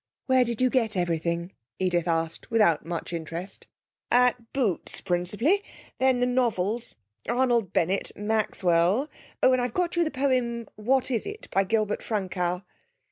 'Where did you get everything?' Edith asked, without much interest. 'At Boots', principally. Then the novels Arnold Bennett, Maxwell Oh, and I've got you the poem: 'What is it?' by Gilbert Frankau.'